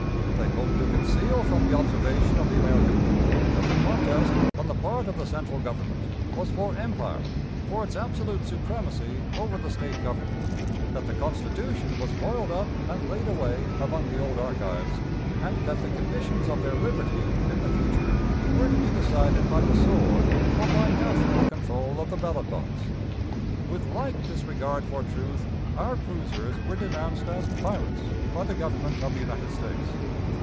They hoped to conceal from the observation of the American people that the contest, on the part of the central Government, was for empire, for its absolute supremacy over the State governments; that the Constitution was roiled up and laid away among the old archives; and that the conditions of their liberty, in the future, were to be decided by the sword or by "national" control of the ballot box. With like disregard for truth, our cruisers were denounced as "pirates" by the Government of the United States.